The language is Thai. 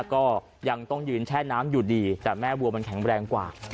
ก็ยังต้องยืนแช่น้ำอยู่ดีแต่แม่วัวมันแข็งแรงกว่า